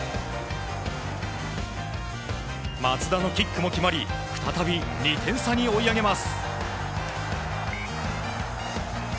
松田のキックも決まり再び２点差に追い上げます。